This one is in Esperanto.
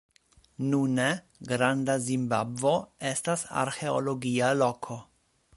Nune, Granda Zimbabvo estas arĥeologia loko.